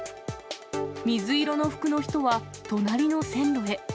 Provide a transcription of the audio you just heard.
水色の服の人は隣の線路へ。